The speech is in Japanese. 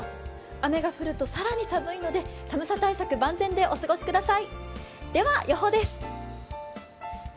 雨が降ると更に寒いので寒さ対策万全でお過ごしください。